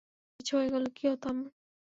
কিছু হয়ে গেলো কী হতো আমার?